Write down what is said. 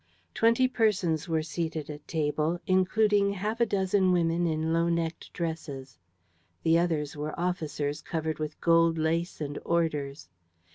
Twenty persons were seated at table, including half a dozen women in low necked dresses. The others were officers, covered with gold lace and orders.